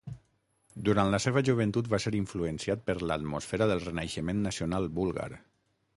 Durant la seva joventut va ser influenciat per l'atmosfera del Renaixement nacional búlgar.